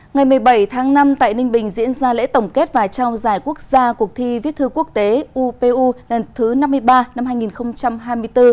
ngày một mươi bảy tháng năm tại ninh bình diễn ra lễ tổng kết và trao giải quốc gia cuộc thi viết thư quốc tế upu lần thứ năm mươi ba năm hai nghìn hai mươi bốn